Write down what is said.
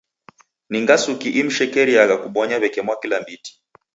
Ni ngasuki imshekeriagha kubonya w'eke mwaklambiti?